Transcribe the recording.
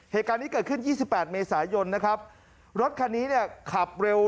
เหตุการณ์นี้เกิดขึ้น๒๘เมษายนนะครับรถคันนี้เดียวขับเร็วแล้ว